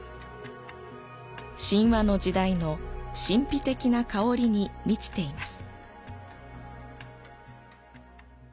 神話の時代の神秘的な香りに満ちています。